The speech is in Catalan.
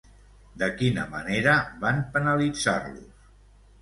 De quina manera van penalitzar-los?